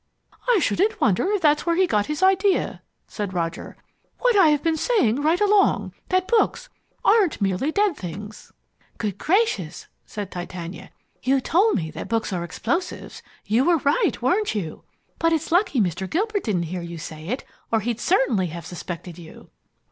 "I shouldn't wonder if that's where he got his idea," said Roger. "What have I been saying right along that books aren't merely dead things!" "Good gracious," said Titania. "You told me that books are explosives. You were right, weren't you! But it's lucky Mr. Gilbert didn't hear you say it or he'd certainly have suspected you!"